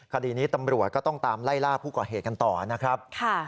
คดีนี้ตำรวจก็ต้องตามไล่ล่าผู้ก่อเหตุกันต่อนะครับ